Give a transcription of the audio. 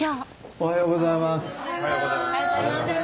おはようございます。